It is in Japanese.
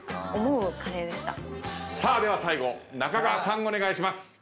さあでは最後中川さんお願いします。